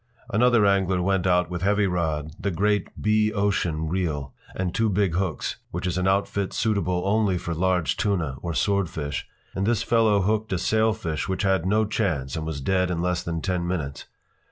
Another angler went out with heavy rod, the great B Ocean reel, and two big hooks (which is an outfit suitable only for large tuna or swordfish), and this fellow hooked a sailfish which had no chance and was dead in less than ten minutes.